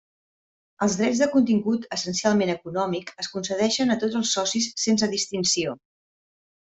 Els drets de contingut essencialment econòmic es concedeixen a tots els socis sense distinció.